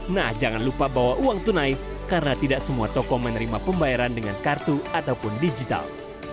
nah jangan lupa bawa uang tunai karena tidak semua toko menerima pembayaran dengan kartu ataupun digital